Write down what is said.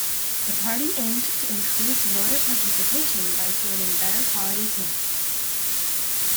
The party aimed to increase voter participation by fielding better quality candidates.